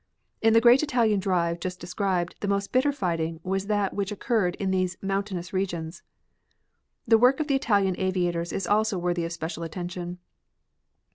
In the great Italian drive just described the most bitter fighting was that which occurred in these mountainous regions. The work of the Italian aviators is also worthy of special attention.